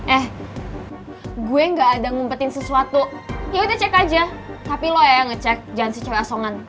eh gue gak ada ngumpetin sesuatu yaudah cek aja tapi lo ya ngecek jangan si cewek asongan